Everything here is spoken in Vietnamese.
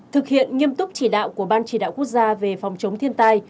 thực hiện nghiêm túc chỉ đạo của ban chỉ đạo quốc gia về phòng chống thiên tai